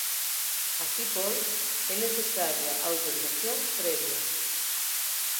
Así pois, é necesaria a autorización previa.